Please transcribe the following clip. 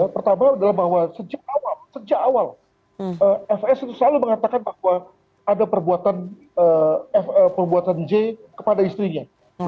pertama adalah bahwa sejak awal fs itu selalu mengatakan bahwa ada perbuatan j kepada istrinya